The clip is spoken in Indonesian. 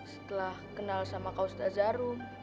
setelah kenal sama kak ustaz zarum